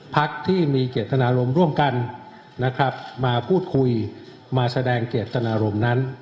พักที่มีเจตนารมณ์ร่วมกันนะครับมาพูดคุยมาแสดงเจตนารมณ์นั้น